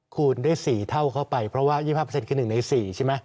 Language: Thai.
คูณได้๔เท่าเข้าไปเพราะว่า๒๕คือ๑ใน๔ใช่ไหม